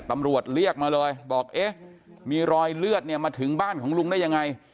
ตำรวจเรียกมาเลยบอกเอ๊ะมีรอยเลือดเนี่ยมาถึงบ้านของลุงได้ยังไง